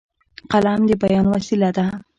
قلم د بیان وسیله ده.